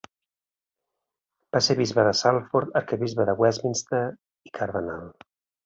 Va ser bisbe de Salford, arquebisbe de Westminster i cardenal.